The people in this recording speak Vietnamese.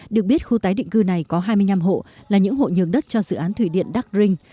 được biết khu tái định cư này có hai mươi năm hộ là những hộ nhường đất cho dự án thủy điện đắc rinh